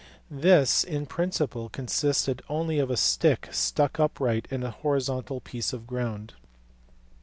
This, in principle, consisted only of a stick stuck upright in a horizontal piece of ground.